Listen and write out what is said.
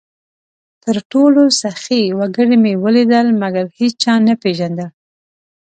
تر ټولو سخي وګړي مې ولیدل؛ مګر هېچا نه پېژندل،